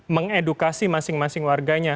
mengedukasi masing masing warganya